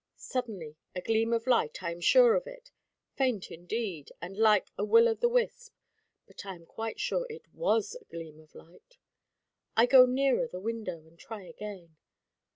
Suddenly a gleam of light, I am sure of it; faint indeed, and like a Will of the Wisp; but I am quite sure it was a gleam of light. I go nearer the window and try again.